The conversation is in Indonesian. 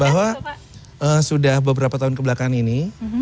bahwa sudah beberapa tahun kebelakangan ini